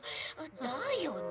だよね。